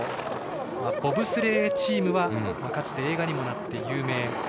ボブスレーチームはかつて映画にもなって有名。